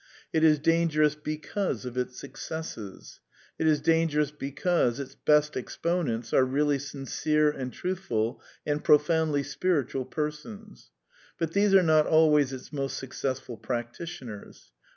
It is danger ous because of its successes. It is dangerous because its best exponents are really sincere and truthful and profoundly spiritual persons. But these are not al ways its most successful practitioners.